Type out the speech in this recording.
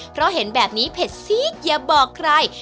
เพราะเห็นแบบนี้เผ็ดซีดอย่าบอกใคร